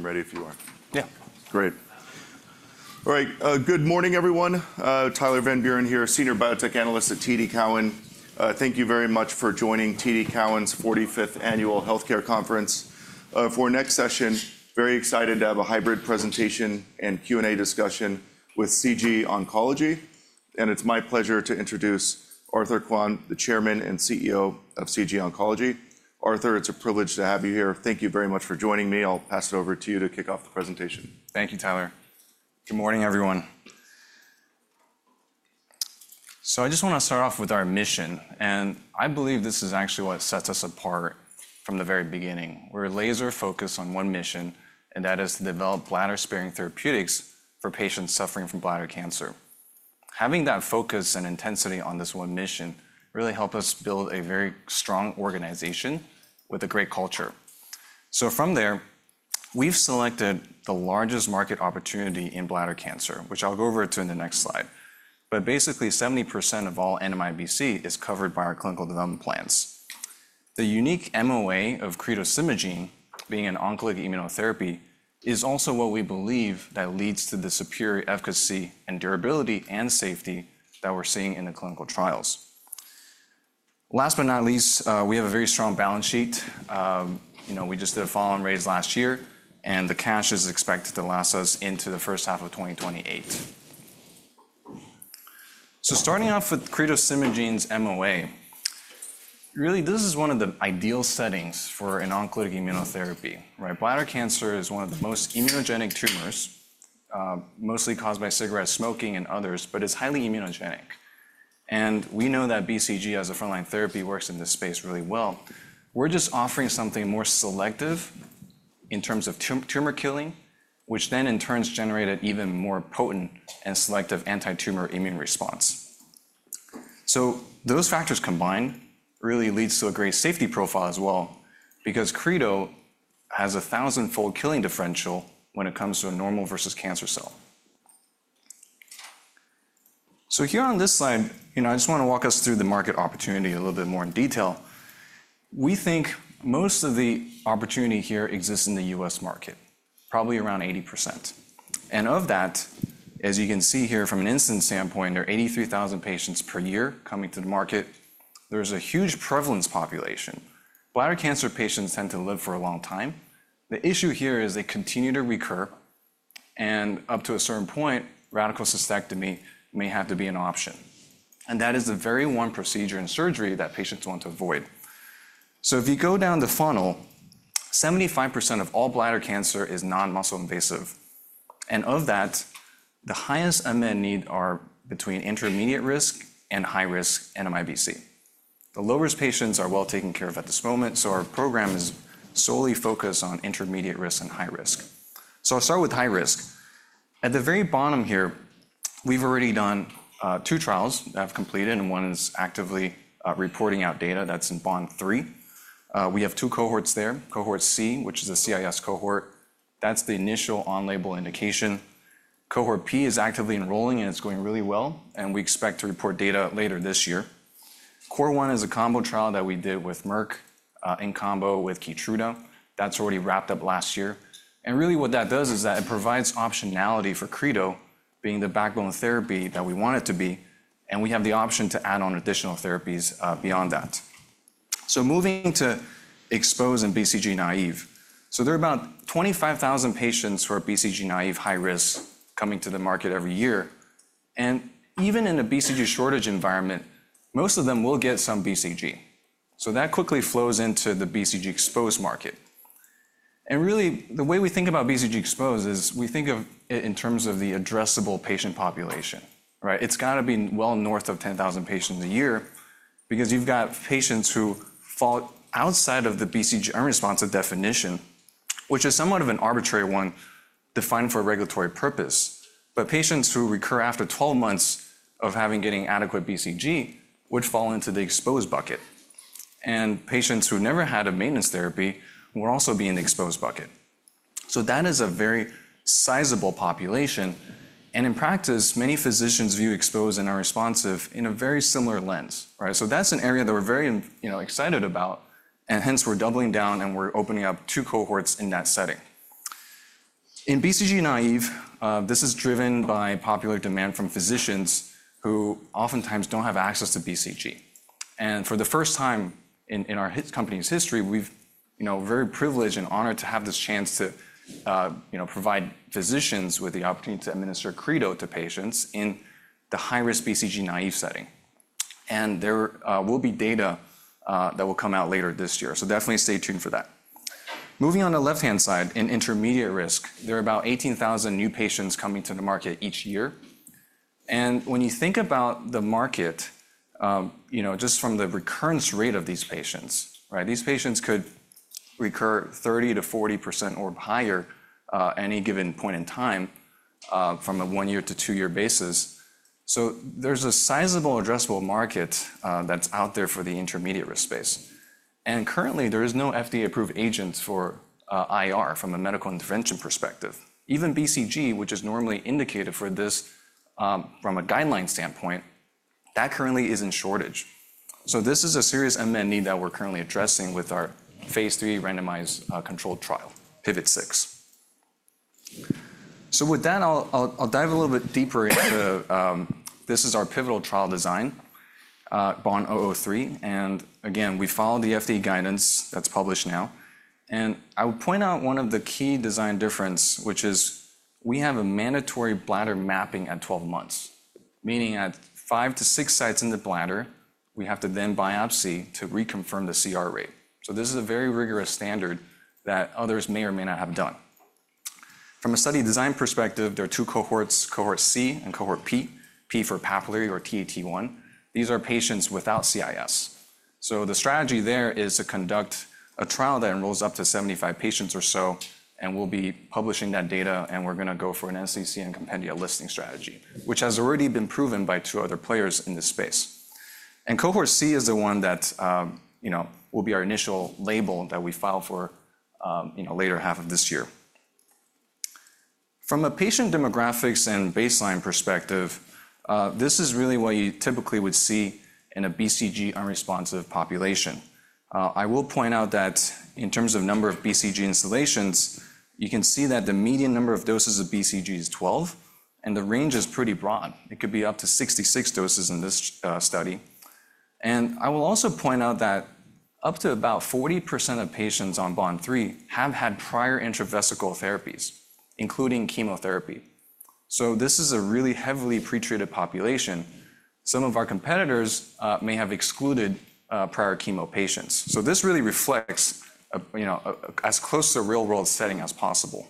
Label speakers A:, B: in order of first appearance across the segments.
A: I'm ready if you are.
B: Yeah.
A: Great. All right. Good morning, everyone. Tyler Van Buren here, Senior Biotech Analyst at TD Cowen. Thank you very much for joining TD Cowen's 45th Annual Healthcare Conference. For our next session, very excited to have a hybrid presentation and Q&A discussion with CG Oncology. And it's my pleasure to introduce Arthur Kuan, the Chairman and CEO of CG Oncology. Arthur, it's a privilege to have you here. Thank you very much for joining me. I'll pass it over to you to kick off the presentation.
B: Thank you, Tyler. Good morning, everyone. So I just want to start off with our mission. And I believe this is actually what sets us apart from the very beginning. We're laser-focused on one mission, and that is to develop bladder-sparing therapeutics for patients suffering from bladder cancer. Having that focus and intensity on this one mission really helped us build a very strong organization with a great culture. So from there, we've selected the largest market opportunity in bladder cancer, which I'll go over to in the next slide. But basically, 70% of all NMIBC is covered by our clinical development plans. The unique MOA of cretostimogene being an oncolytic immunotherapy is also what we believe that leads to the superior efficacy and durability and safety that we're seeing in the clinical trials. Last but not least, we have a very strong balance sheet. We just did a follow-on raise last year, and the cash is expected to last us into the first half of 2028. Starting off with cretostimogene's MOA, really, this is one of the ideal settings for an oncolytic immunotherapy. Bladder cancer is one of the most immunogenic tumors, mostly caused by cigarette smoking and others, but it's highly immunogenic. We know that BCG, as a frontline therapy, works in this space really well. We're just offering something more selective in terms of tumor killing, which then in turn has generated even more potent and selective anti-tumor immune response. Those factors combined really lead to a great safety profile as well, because cretostimogene has a thousand-fold killing differential when it comes to a normal versus cancer cell. So here on this slide, I just want to walk us through the market opportunity a little bit more in detail. We think most of the opportunity here exists in the U.S. market, probably around 80%. And of that, as you can see here from an incidence standpoint, there are 83,000 patients per year coming to the market. There's a huge prevalence population. Bladder cancer patients tend to live for a long time. The issue here is they continue to recur. And up to a certain point, radical cystectomy may have to be an option. And that is the very one procedure and surgery that patients want to avoid. So if you go down the funnel, 75% of all bladder cancer is non-muscle invasive. And of that, the highest unmet needs are between intermediate-risk and high-risk NMIBC. The low risk patients are well taken care of at this moment, so our program is solely focused on intermediate risk and high risk, so I'll start with high risk. At the very bottom here, we've already done two trials that have completed, and one is actively reporting out data that's in BOND-003. We have two cohorts there, Cohort C, which is a CIS cohort. That's the initial on-label indication. Cohort P is actively enrolling, and it's going really well, and we expect to report data later this year. CORE-001 is a combo trial that we did with Merck in combo with Keytruda. That's already wrapped up last year, and really, what that does is that it provides optionality for creto being the backbone therapy that we want it to be, and we have the option to add on additional therapies beyond that. So moving to exposed and BCG naive. So there are about 25,000 patients who are BCG naive, high risk, coming to the market every year. And even in a BCG shortage environment, most of them will get some BCG. So that quickly flows into the BCG exposed market. And really, the way we think about BCG exposed is we think of it in terms of the addressable patient population. It's got to be well north of 10,000 patients a year because you've got patients who fall outside of the BCG unresponsive definition, which is somewhat of an arbitrary one defined for a regulatory purpose. But patients who recur after 12 months of having gotten adequate BCG would fall into the exposed bucket. And patients who never had a maintenance therapy would also be in the exposed bucket. So that is a very sizable population.In practice, many physicians view exposed and unresponsive in a very similar lens. That's an area that we're very excited about. Hence, we're doubling down and we're opening up two cohorts in that setting. In BCG naive, this is driven by popular demand from physicians who oftentimes don't have access to BCG. For the first time in our company's history, we're very privileged and honored to have this chance to provide physicians with the opportunity to administer creto to patients in the high risk BCG naive setting. There will be data that will come out later this year. Definitely stay tuned for that. Moving on the left-hand side in intermediate risk, there are about 18,000 new patients coming to the market each year. When you think about the market, just from the recurrence rate of these patients, these patients could recur 30%-40% or higher at any given point in time from a one-year to two-year basis. So there's a sizable addressable market that's out there for the intermediate risk space. Currently, there is no FDA-approved agent for IR from a medical intervention perspective. Even BCG, which is normally indicated for this from a guideline standpoint, that currently is in shortage. So this is a serious NM need that we're currently addressing with our phase III randomized controlled trial, PIVOT-006. With that, I'll dive a little bit deeper into. This is our pivotal trial design, BOND-003. Again, we follow the FDA guidance that's published now.I would point out one of the key design differences, which is we have a mandatory bladder mapping at 12 months, meaning at 5-6 sites in the bladder, we have to then biopsy to reconfirm the CR rate. This is a very rigorous standard that others may or may not have done. From a study design perspective, there are two cohorts, Cohort C and Cohort P, P for papillary or Ta/T1. These are patients without CIS. The strategy there is to conduct a trial that enrolls up to 75 patients or so. We'll be publishing that data. We're going to go for an NCCN and compendia listing strategy, which has already been proven by two other players in this space. Cohort C is the one that will be our initial label that we file for later half of this year. From a patient demographics and baseline perspective, this is really what you typically would see in a BCG unresponsive population. I will point out that in terms of number of BCG instillations, you can see that the median number of doses of BCG is 12, and the range is pretty broad. It could be up to 66 doses in this study, and I will also point out that up to about 40% of patients on BOND-003 have had prior intravesical therapies, including chemotherapy. So this is a really heavily pretreated population. Some of our competitors may have excluded prior chemo patients. So this really reflects as close to a real-world setting as possible,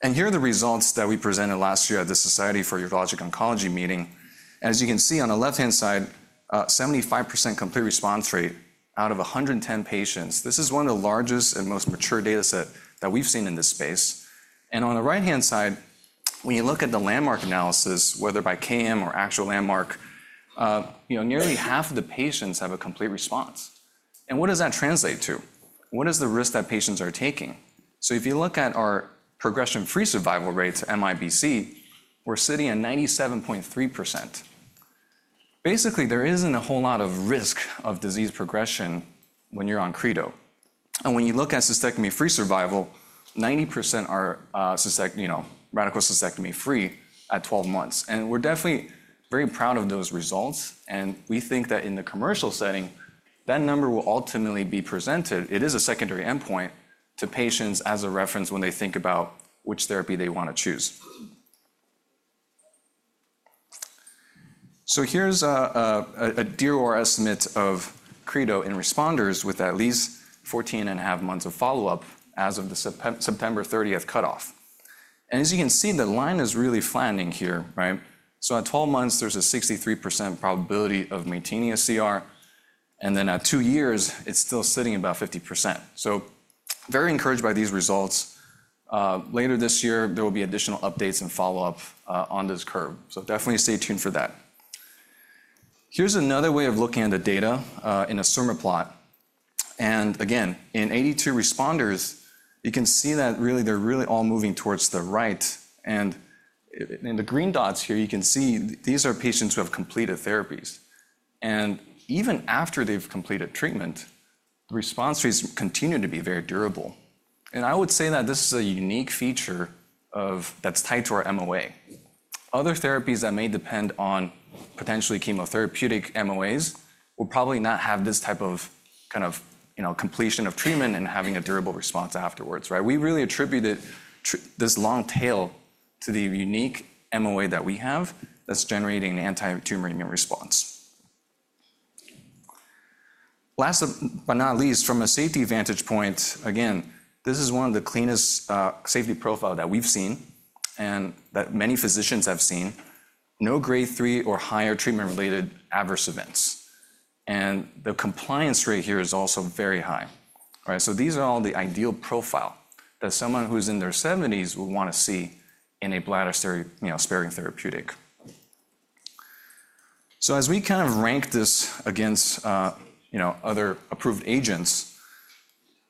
B: and here are the results that we presented last year at the Society of Urologic Oncology meeting. As you can see on the left-hand side, 75% complete response rate out of 110 patients. This is one of the largest and most mature data sets that we've seen in this space, and on the right-hand side, when you look at the landmark analysis, whether by KM or actual landmark, nearly half of the patients have a complete response, and what does that translate to? What is the risk that patients are taking, so if you look at our progression-free survival rates, MIBC, we're sitting at 97.3%. Basically, there isn't a whole lot of risk of disease progression when you're on creto, and when you look at cystectomy-free survival, 90% are radical cystectomy-free at 12 months, and we're definitely very proud of those results, and we think that in the commercial setting, that number will ultimately be presented. It is a secondary endpoint to patients as a reference when they think about which therapy they want to choose. So here's a DOR estimate of creto in responders with at least 14 and a half months of follow-up as of the September 30th cutoff. And as you can see, the line is really flattening here. So at 12 months, there's a 63% probability of maintaining a CR. And then at two years, it's still sitting about 50%. So very encouraged by these results. Later this year, there will be additional updates and follow-up on this curve. So definitely stay tuned for that. Here's another way of looking at the data in a Swimmer plot. And again, in 82 responders, you can see that really they're all moving towards the right. And in the green dots here, you can see these are patients who have completed therapies. And even after they've completed treatment, the response rates continue to be very durable.I would say that this is a unique feature that's tied to our MOA. Other therapies that may depend on potentially chemotherapeutic MOAs will probably not have this type of kind of completion of treatment and having a durable response afterwards. We really attribute this long tail to the unique MOA that we have that's generating an anti-tumor immune response. Last but not least, from a safety vantage point, again, this is one of the cleanest safety profiles that we've seen and that many physicians have seen. No grade three or higher treatment-related adverse events. The compliance rate here is also very high. These are all the ideal profile that someone who's in their 70s would want to see in a bladder-sparing therapeutic. So as we kind of rank this against other approved agents,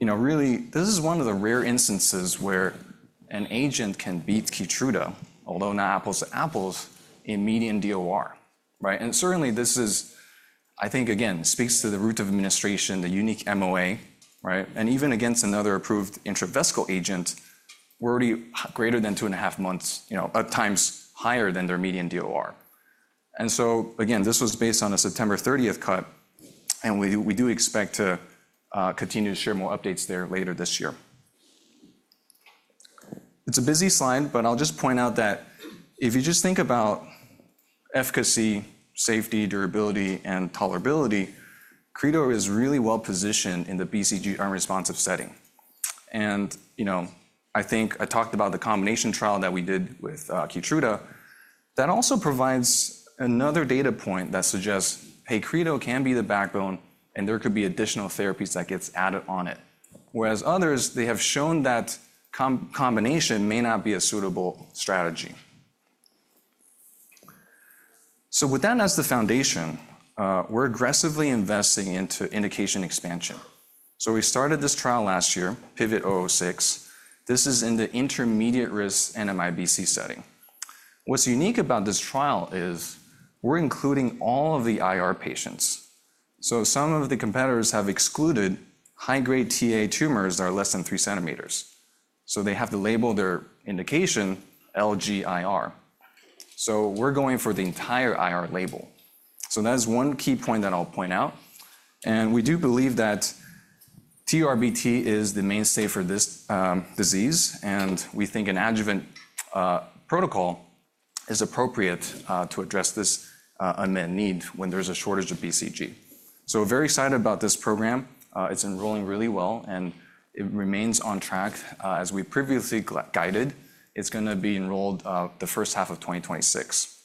B: really, this is one of the rare instances where an agent can beat Keytruda, although not apples to apples, in median DOR. And certainly, this is, I think, again, speaks to the route of administration, the unique MOA. And even against another approved intravesical agent, we're already greater than two and a half months, at times higher than their median DOR. And so again, this was based on a September 30th cut. And we do expect to continue to share more updates there later this year. It's a busy slide, but I'll just point out that if you just think about efficacy, safety, durability, and tolerability, creto is really well positioned in the BCG unresponsive setting. And I think I talked about the combination trial that we did with Keytruda.That also provides another data point that suggests, hey, creto can be the backbone, and there could be additional therapies that get added on it. Whereas others, they have shown that combination may not be a suitable strategy. With that as the foundation, we're aggressively investing into indication expansion. We started this trial last year, PIVOT-006. This is in the intermediate risk NMIBC setting. What's unique about this trial is we're including all of the IR patients. Some of the competitors have excluded high-grade TA tumors that are less than three centimeters. They have to label their indication LG IR. That is one key point that I'll point out. We do believe that TURBT is the mainstay for this disease. We think an adjuvant protocol is appropriate to address this unmet need when there's a shortage of BCG. Very excited about this program. It's enrolling really well. It remains on track as we previously guided. It's going to be enrolled the first half of 2026.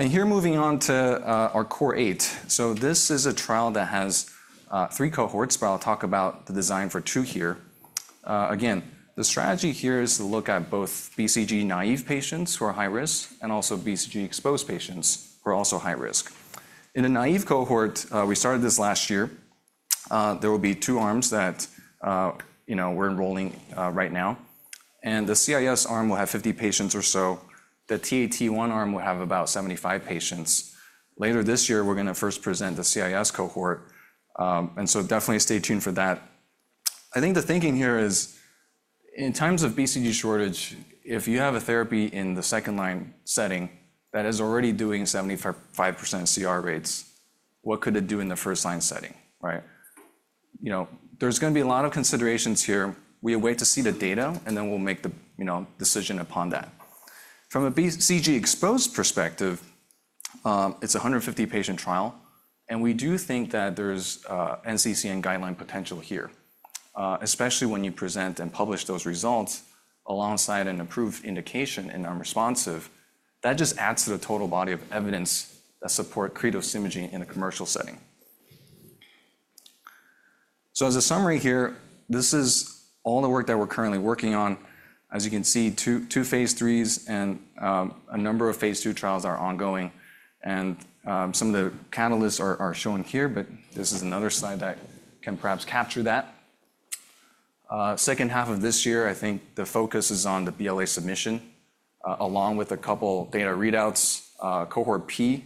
B: Here, moving on to our CORE-008. This is a trial that has three cohorts, but I'll talk about the design for two here. Again, the strategy here is to look at both BCG-naïve patients who are high risk and also BCG-exposed patients who are also high risk. In the naïve cohort, we started this last year. There will be two arms that we're enrolling right now. The CIS arm will have 50 patients or so. The Ta/T1 arm will have about 75 patients. Later this year, we're going to first present the CIS cohort. So definitely stay tuned for that. I think the thinking here is in times of BCG shortage, if you have a therapy in the second line setting that is already doing 75% CR rates, what could it do in the first line setting? There's going to be a lot of considerations here. We await to see the data, and then we'll make the decision upon that. From a BCG exposed perspective, it's a 150-patient trial. We do think that there's NCCN guideline potential here, especially when you present and publish those results alongside an approved indication in unresponsive. That just adds to the total body of evidence that support cretostimogene in a commercial setting. As a summary here, this is all the work that we're currently working on. As you can see, two phase IIIs and a number of phase II trials are ongoing. And some of the catalysts are shown here, but this is another slide that can perhaps capture that. Second half of this year, I think the focus is on the BLA submission along with a couple data readouts, Cohort P,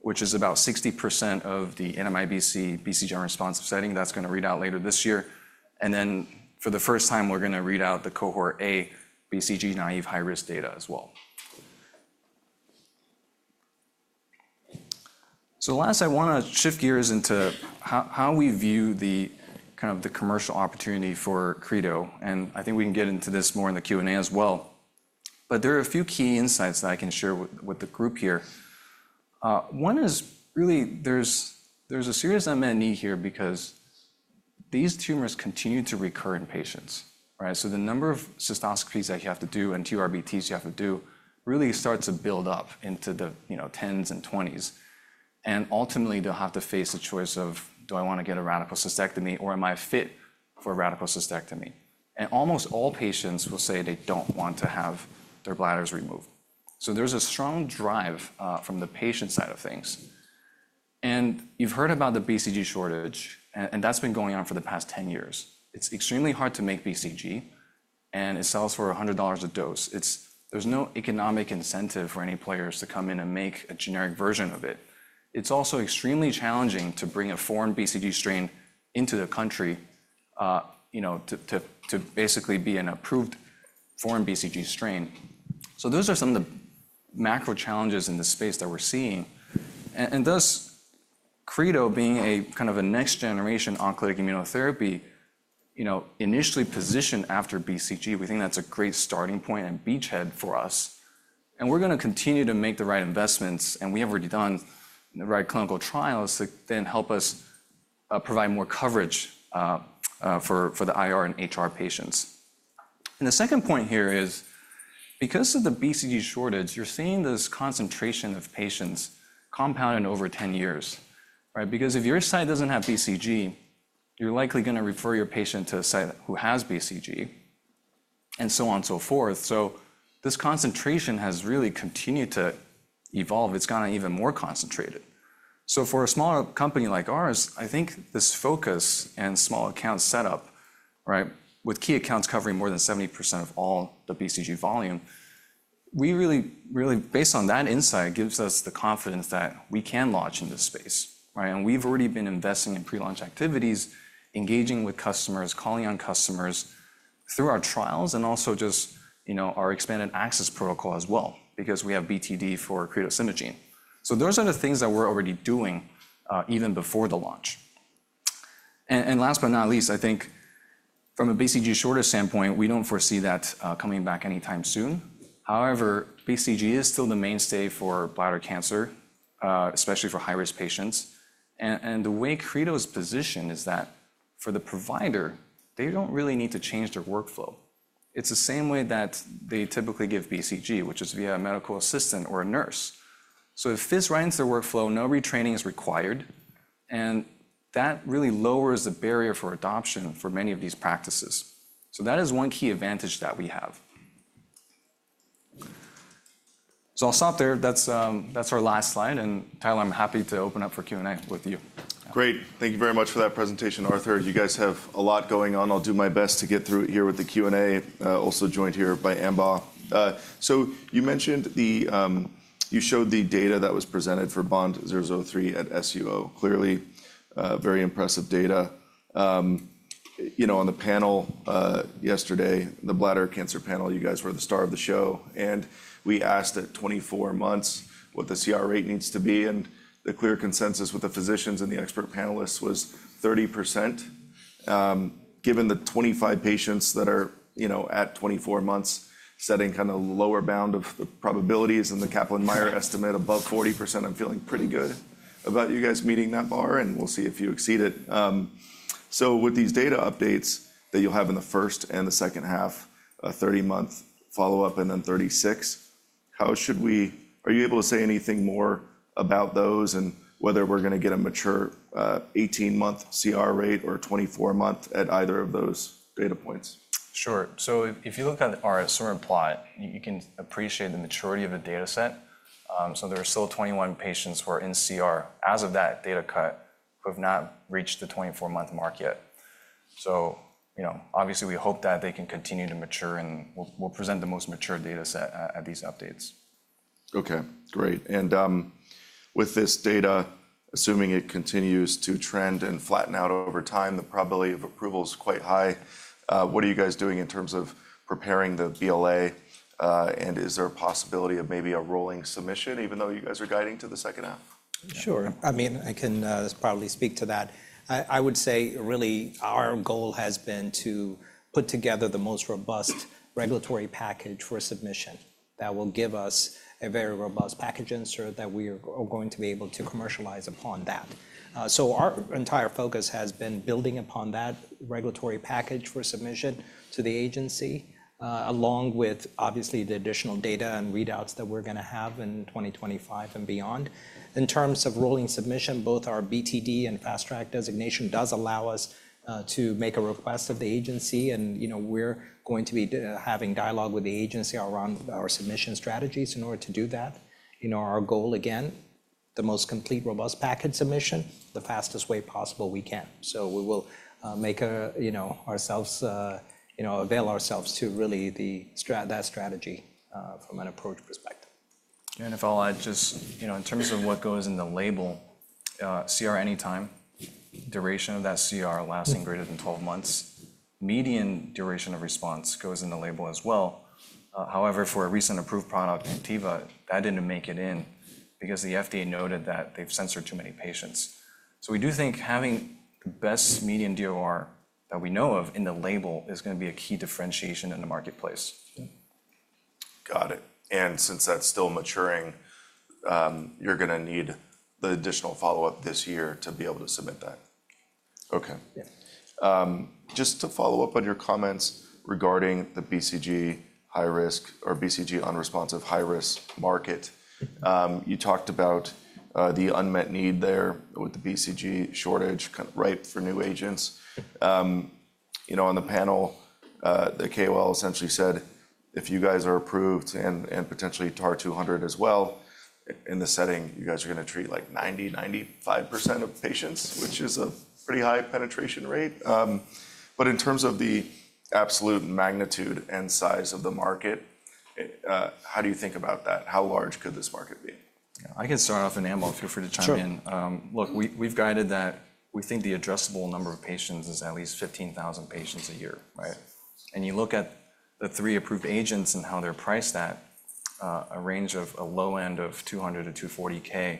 B: which is about 60% of the NMIBC BCG unresponsive setting that's going to read out later this year. And then for the first time, we're going to read out the Cohort A BCG naive high-risk data as well. So last, I want to shift gears into how we view the kind of commercial opportunity for creto. And I think we can get into this more in the Q&A as well. But there are a few key insights that I can share with the group here. One is really there's a serious unmet need here because these tumors continue to recur in patients. The number of cystoscopies that you have to do and TURBTs you have to do really starts to build up into the 10s and 20s. Ultimately, they'll have to face the choice of, do I want to get a radical cystectomy or am I fit for a radical cystectomy? Almost all patients will say they don't want to have their bladders removed. There's a strong drive from the patient side of things. You've heard about the BCG shortage, and that's been going on for the past 10 years. It's extremely hard to make BCG, and it sells for $100 a dose. There's no economic incentive for any players to come in and make a generic version of it. It's also extremely challenging to bring a foreign BCG strain into the country to basically be an approved foreign BCG strain. Those are some of the macro challenges in the space that we're seeing. And thus, creto being a kind of a next-generation oncolytic immunotherapy initially positioned after BCG, we think that's a great starting point and beachhead for us. And we're going to continue to make the right investments. And we have already done the right clinical trials to then help us provide more coverage for the IR and HR patients. And the second point here is because of the BCG shortage, you're seeing this concentration of patients compound in over 10 years. Because if your site doesn't have BCG, you're likely going to refer your patient to a site who has BCG and so on and so forth. So this concentration has really continued to evolve. It's gotten even more concentrated. So for a smaller company like ours, I think this focus and small account setup with key accounts covering more than 70% of all the BCG volume, we really, really based on that insight, gives us the confidence that we can launch in this space. And we've already been investing in pre-launch activities, engaging with customers, calling on customers through our trials, and also just our expanded access protocol as well because we have BTD for cretostimogene. So those are the things that we're already doing even before the launch. And last but not least, I think from a BCG shortage standpoint, we don't foresee that coming back anytime soon. However, BCG is still the mainstay for bladder cancer, especially for high-risk patients. And the way cretostimogene is positioned is that for the provider, they don't really need to change their workflow. It's the same way that they typically give BCG, which is via a medical assistant or a nurse. So if this rhymes their workflow, no retraining is required. And that really lowers the barrier for adoption for many of these practices. So that is one key advantage that we have. So I'll stop there. That's our last slide. And Tyler, I'm happy to open up for Q&A with you.
A: Great. Thank you very much for that presentation, Arthur. You guys have a lot going on. I'll do my best to get through it here with the Q&A.Also joined here by Ambaw. So you mentioned you showed the data that was presented for BOND-003 at SUO. Clearly, very impressive data. On the panel yesterday, the bladder cancer panel, you guys were the star of the show. And we asked at 24 months what the CR rate needs to be. The clear consensus with the physicians and the expert panelists was 30%. Given the 25 patients that are at 24 months setting kind of lower bound of the probabilities and the Kaplan-Meier estimate above 40%, I'm feeling pretty good about you guys meeting that bar. We'll see if you exceed it. With these data updates that you'll have in the first and the second half, a 30-month follow-up and then 36, how should we are you able to say anything more about those and whether we're going to get a mature 18-month CR rate or 24-month at either of those data points?
B: Sure. If you look at our Swimmer plot, you can appreciate the maturity of the data set. There are still 21 patients who are in CR as of that data cut who have not reached the 24-month mark yet. So obviously, we hope that they can continue to mature. And we'll present the most mature data set at these updates.
A: OK, great. And with this data, assuming it continues to trend and flatten out over time, the probability of approval is quite high. What are you guys doing in terms of preparing the BLA? And is there a possibility of maybe a rolling submission, even though you guys are guiding to the second half?
C: Sure. I mean, I can probably speak to that. I would say really our goal has been to put together the most robust regulatory package for submission that will give us a very robust package insert that we are going to be able to commercialize upon that. Our entire focus has been building upon that regulatory package for submission to the agency, along with obviously the additional data and readouts that we're going to have in 2025 and beyond.
D: In terms of rolling submission, both our BTD and Fast Track designation does allow us to make a request of the agency. And we're going to be having dialogue with the agency around our submission strategies in order to do that. Our goal, again, the most complete robust package submission, the fastest way possible we can. We will make ourselves available to really that strategy from an approach perspective.
B: And I'll add just in terms of what goes in the label, CR any time, duration of that CR lasting greater than 12 months, median duration of response goes in the label as well. However, for a recent approved product, Anktiva, that didn't make it in because the FDA noted that they've censored too many patients. So we do think having the best median DOR that we know of in the label is going to be a key differentiation in the marketplace. Got it. And since that's still maturing, you're going to need the additional follow-up this year to be able to submit that.
A: OK. Just to follow up on your comments regarding the BCG high-risk or BCG unresponsive high-risk market, you talked about the unmet need there with the BCG shortage, kind of ripe for new agents. On the panel, the KOL essentially said, if you guys are approved and potentially TAR-200 as well, in the setting, you guys are going to treat like 90%, 95% of patients, which is a pretty high penetration rate. But in terms of the absolute magnitude and size of the market, how do you think about that? How large could this market be?
B: I can start off in Ambaw. Feel free to chime in.
A: Sure.
B: Look, we've guided that we think the addressable number of patients is at least 15,000 patients a year. And you look at the three approved agents and how they're priced at a range of a low end of $200K-$240K.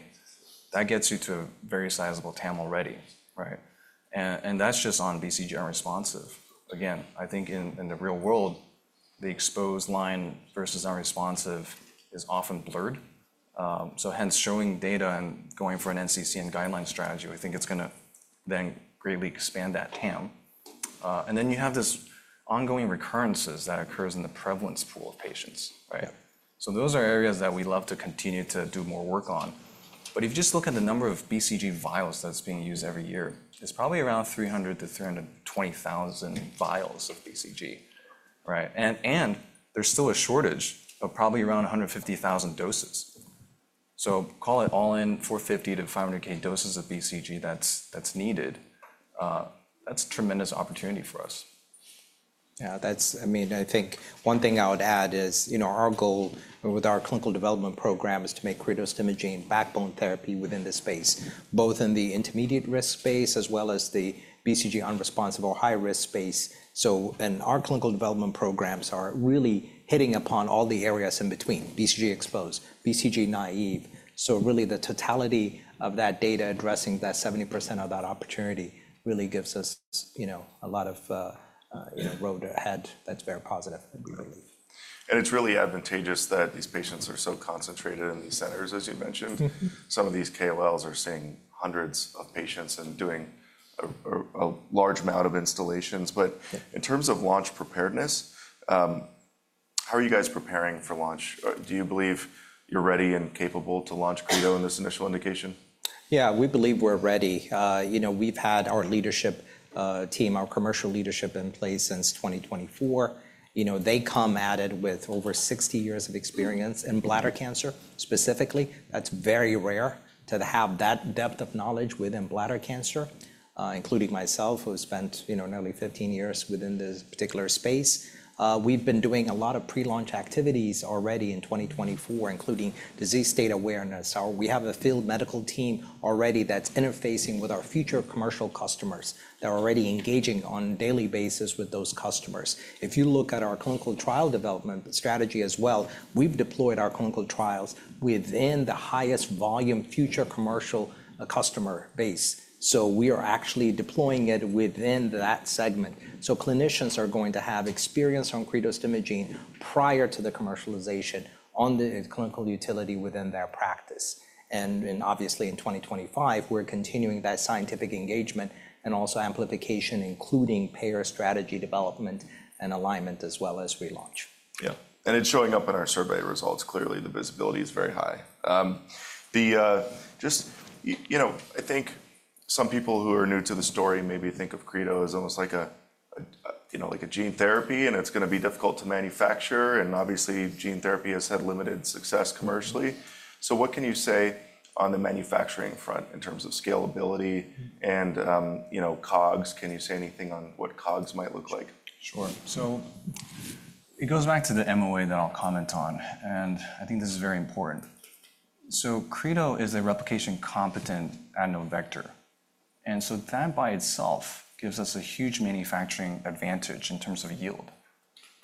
B: That gets you to a very sizable TAM already. And that's just on BCG unresponsive. Again, I think in the real world, the exposed line versus unresponsive is often blurred. So hence, showing data and going for an NCCN guideline strategy, we think it's going to then greatly expand that TAM. And then you have this ongoing recurrences that occurs in the prevalence pool of patients. So those are areas that we love to continue to do more work on. But if you just look at the number of BCG vials that's being used every year, it's probably around 300,000-320,000 vials of BCG. And there's still a shortage of probably around 150,000 doses. So call it all in 450,000-500,000 doses of BCG that's needed. That's a tremendous opportunity for us.
D: Yeah, that's. I mean, I think one thing I would add is our goal with our clinical development program is to make cretostimogene and backbone therapy within this space, both in the intermediate risk space as well as the BCG unresponsive or high-risk space. And our clinical development programs are really hitting upon all the areas in between BCG exposed, BCG naive. So really the totality of that data addressing that 70% of that opportunity really gives us a lot of road ahead that's very positive.
A: And it's really advantageous that these patients are so concentrated in these centers, as you mentioned. Some of these KOLs are seeing hundreds of patients and doing a large amount of installations. But in terms of launch preparedness, how are you guys preparing for launch? Do you believe you're ready and capable to launch cretostimogene in this initial indication?
C: Yeah, we believe we're ready. We've had our leadership team, our commercial leadership in place since 2024. They come at it with over 60 years of experience in bladder cancer specifically. That's very rare to have that depth of knowledge within bladder cancer, including myself, who has spent nearly 15 years within this particular space. We've been doing a lot of pre-launch activities already in 2024, including disease state awareness. We have a field medical team already that's interfacing with our future commercial customers. They're already engaging on a daily basis with those customers. If you look at our clinical trial development strategy as well, we've deployed our clinical trials within the highest volume future commercial customer base. So we are actually deploying it within that segment. So clinicians are going to have experience on cretostimogene grenadenorepvec prior to the commercialization on the clinical utility within their practice. And obviously, in 2025, we're continuing that scientific engagement and also amplification, including payer strategy development and alignment as well as relaunch.
A: Yeah. And it's showing up in our survey results. Clearly, the visibility is very high. Just, I think some people who are new to the story maybe think of creto as almost like a gene therapy, and it's going to be difficult to manufacture. And obviously, gene therapy has had limited success commercially. So what can you say on the manufacturing front in terms of scalability and COGS? Can you say anything on what COGS might look like?
E: Sure, so it goes back to the MOA that I'll comment on, and I think this is very important. creto is a replication competent adenovector, and so that by itself gives us a huge manufacturing advantage in terms of yield.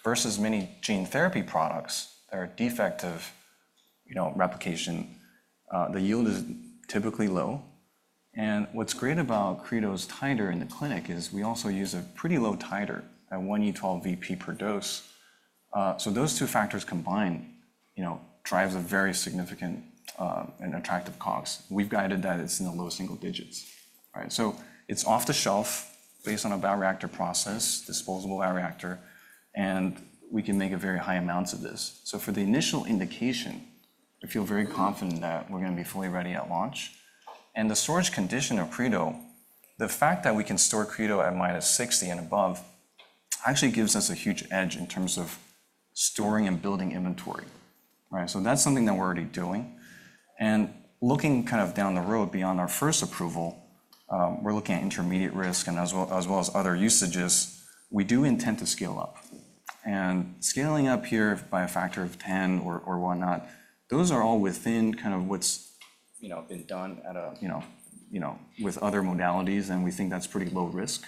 E: Versus many gene therapy products that are defective replication, the yield is typically low. And what's great about creto's titer in the clinic is we also use a pretty low titer at 1E12VP per dose. So those two factors combined drive a very significant and attractive COGS. We've guided that it's in the low single digits. So it's off the shelf based on a bioreactor process, disposable bioreactor. And we can make very high amounts of this. So for the initial indication, I feel very confident that we're going to be fully ready at launch. And the storage condition of cretostimogene, the fact that we can store cretostimogene at minus 60 and above actually gives us a huge edge in terms of storing and building inventory. So that's something that we're already doing. And looking kind of down the road beyond our first approval, we're looking at intermediate risk and as well as other usages. We do intend to scale up. And scaling up here by a factor of 10 or whatnot, those are all within kind of what's been done with other modalities. We think that's pretty low risk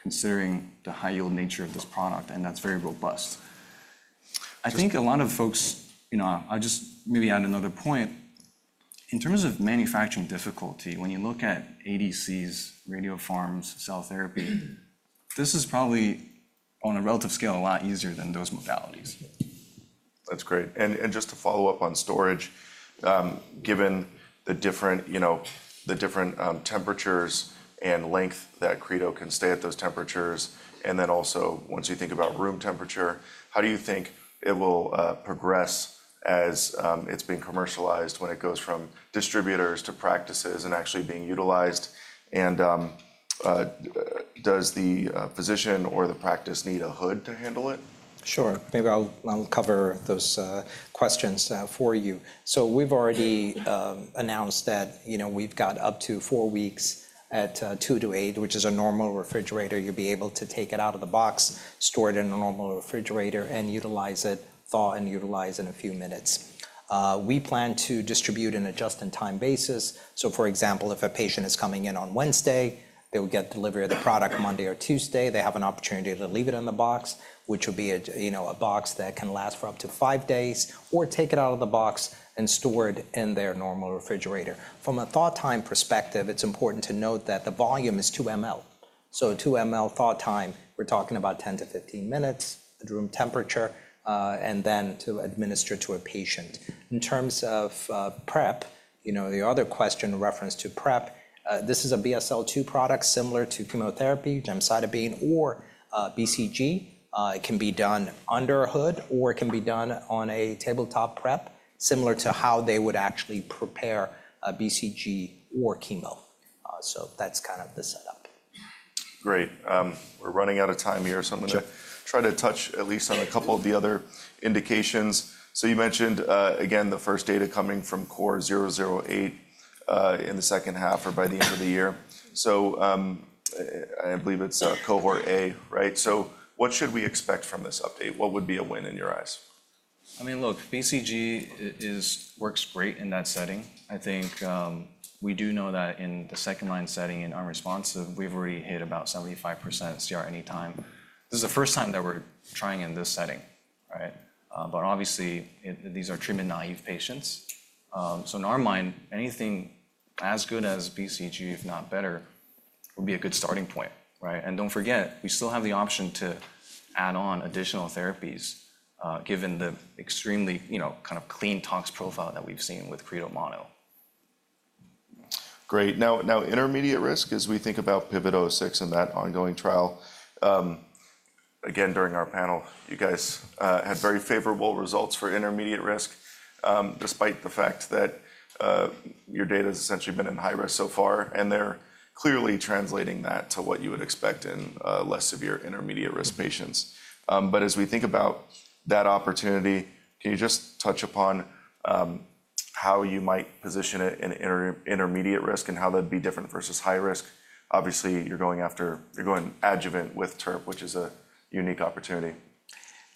E: considering the high yield nature of this product. That's very robust. I think a lot of folks, I'll just maybe add another point. In terms of manufacturing difficulty, when you look at ADCs, radiopharmaceuticals, cell therapy, this is probably on a relative scale a lot easier than those modalities. That's great. Just to follow up on storage, given the different temperatures and length that cretostimogene can stay at those temperatures, and then also once you think about room temperature, how do you think it will progress as it's being commercialized when it goes from distributors to practices and actually being utilized? Does the physician or the practice need a hood to handle it?
C: Sure. Maybe I'll cover those questions for you. We've already announced that we've got up to four weeks at 2-8, which is a normal refrigerator. You'll be able to take it out of the box, store it in a normal refrigerator, and utilize it, thaw, and utilize in a few minutes. We plan to distribute on an adjusted time basis. For example, if a patient is coming in on Wednesday, they will get delivery of the product Monday or Tuesday. They have an opportunity to leave it in the box, which will be a box that can last for up to five days, or take it out of the box and store it in their normal refrigerator. From a thaw time perspective, it's important to note that the volume is 2ml. 2ml thaw time, we're talking about 10-15 minutes at room temperature, and then to administer to a patient. In terms of prep, the other question in reference to prep, this is a BSL2 product similar to chemotherapy, Gemcitabine, or BCG.It can be done under a hood, or it can be done on a tabletop prep, similar to how they would actually prepare a BCG or chemo. So that's kind of the setup.
A: Great. We're running out of time here. So I'm going to try to touch at least on a couple of the other indications. So you mentioned, again, the first data coming from CORE-008 in the second half or by the end of the year. So I believe it's Cohort A. So what should we expect from this update? What would be a win in your eyes?
B: I mean, look, BCG works great in that setting.I think we do know that in the second line setting in unresponsive, we've already hit about 75% CR any time. This is the first time that we're trying in this setting. But obviously, these are treatment naive patients. So in our mind, anything as good as BCG, if not better, would be a good starting point. And don't forget, we still have the option to add on additional therapies given the extremely kind of clean tox profile that we've seen with creto mono.
A: Great. Now, intermediate risk, as we think about PIVOT-006 and that ongoing trial. Again, during our panel, you guys had very favorable results for intermediate risk despite the fact that your data has essentially been in high risk so far. And they're clearly translating that to what you would expect in less severe intermediate risk patients. But as we think about that opportunity, can you just touch upon how you might position it in intermediate risk and how that'd be different versus high risk? Obviously, you're going adjuvant with TURBT, which is a unique opportunity.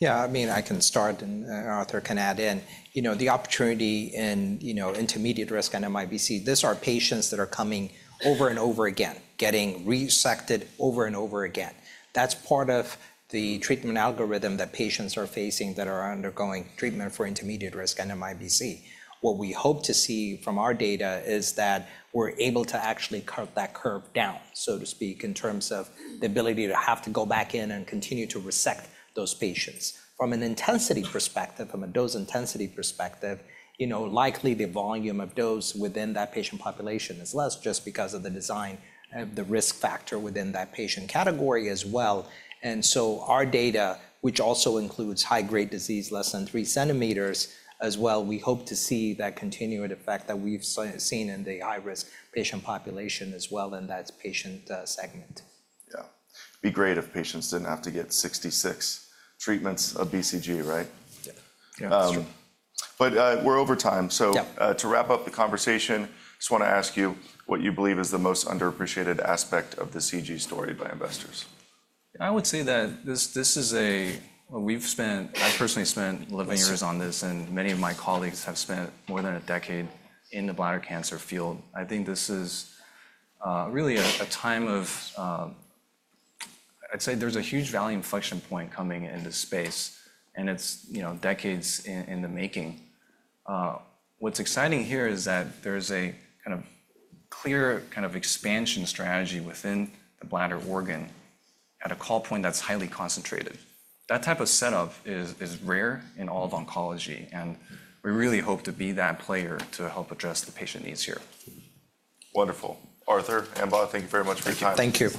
C: Yeah, I mean, I can start, and Arthur can add in. The opportunity in intermediate risk and MIBC, these are patients that are coming over and over again, getting resected over and over again. That's part of the treatment algorithm that patients are facing that are undergoing treatment for intermediate risk and MIBC. What we hope to see from our data is that we're able to actually curb that down, so to speak, in terms of the ability to have to go back in and continue to resect those patients. From an intensity perspective, from a dose intensity perspective, likely the volume of dose within that patient population is less just because of the design of the risk factor within that patient category as well, and so our data, which also includes high-grade disease less than 3cm as well, we hope to see that continued effect that we've seen in the high-risk patient population as well in that patient segment.
A: Yeah. It'd be great if patients didn't have to get 66 treatments of BCG, right?
C: Yeah.Yeah, that's true,
A: but we're over time, so to wrap up the conversation, I just want to ask you what you believe is the most underappreciated aspect of the CG story by investors?
B: I would say that this is a. I personally spent 11 years on this, and many of my colleagues have spent more than a decade in the bladder cancer field.I think this is really a time of. I'd say there's a huge value inflection point coming into space, and it's decades in the making. What's exciting here is that there is a kind of clear kind of expansion strategy within the bladder oncology call point that's highly concentrated. That type of setup is rare in all of oncology. And we really hope to be that player to help address the patient needs here.
A: Wonderful. Arthur, Ambaw, thank you very much for your time.
B: Thank you.